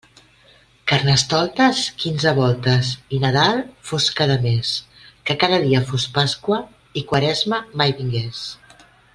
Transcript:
Carnestoltes quinze voltes i Nadal fos cada mes, que cada dia fos Pasqua i Quaresma mai vingués.